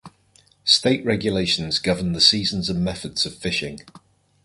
State regulations govern the seasons and methods of fishing.